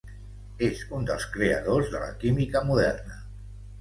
És un dels creadors de la química moderna.